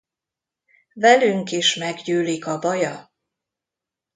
Velünk is meggyűlik a baja!